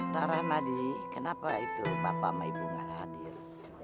taramadi kenapa itu bapak sama ibu gak hadir